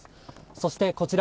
そして、こちら。